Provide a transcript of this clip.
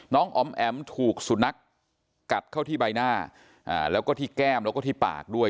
อ๋อมแอ๋มถูกสุนัขกัดเข้าที่ใบหน้าแล้วก็ที่แก้มแล้วก็ที่ปากด้วย